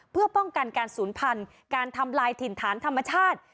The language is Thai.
เพื่อป้องกันการศูนย์พันธุ์การทำลายถิ่นฐานธรรมชาติ